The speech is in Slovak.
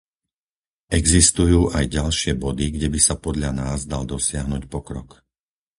Existujú aj ďalšie body, kde by sa podľa nás dal dosiahnuť pokrok.